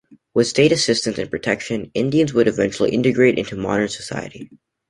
With state assistance and protection, Indians would eventually integrate into modern society.